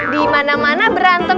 di mana mana berantem